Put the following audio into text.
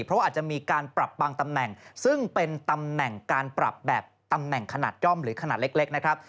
เพราะว่าอาจจะมีการปรับบางตำแหน่งซึ่งเป็นตำแหน่งการปรับแบบตำแหน่งขนาดย่อมหรือขนาดเล็กนะครับ